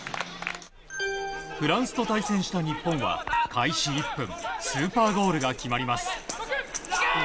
フランスと対戦した日本は開始１分スーパーゴールが決まります。